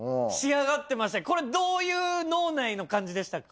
これどういう脳内の感じでしたか？